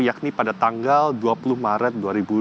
yakni pada tanggal dua puluh maret dua ribu dua puluh